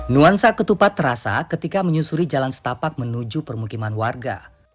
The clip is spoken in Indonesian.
nuansa ketupat terasa ketika menyusuri jalan setapak menuju permukiman warga